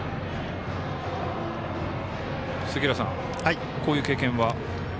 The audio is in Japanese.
杉浦さん、こういう経験は？